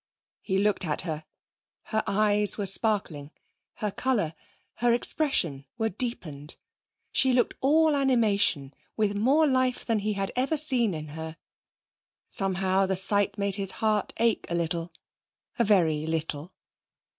He looked at her. Her eyes were sparkling, her colour, her expression were deepened. She looked all animation, with more life than he had ever seen in her.... Somehow the sight made his heart ache a little, a very little.